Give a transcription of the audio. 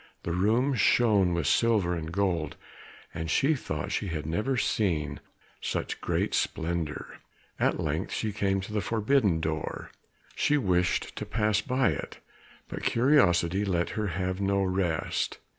The rooms shone with silver and gold, and she thought she had never seen such great splendour. At length she came to the forbidden door; she wished to pass it by, but curiosity let her have no rest.